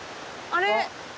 あれ。